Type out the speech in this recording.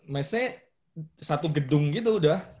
mesnya satu gedung gitu udah